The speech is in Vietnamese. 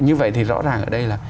như vậy thì rõ ràng ở đây là